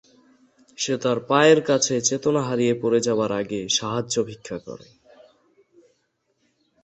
সে তার পায়ের কাছে চেতনা হারিয়ে পরে যাবার আগে সাহায্য ভিক্ষা করে।